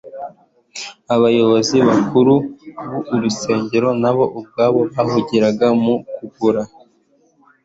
Abayobozi bakuru b’urusengero nabo ubwabo bahugiraga mu kugura,